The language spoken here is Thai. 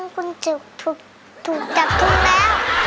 คุณถูกจับกุมแล้ว